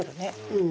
うん。